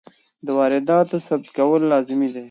د وارداتو ثبت کول لازمي دي.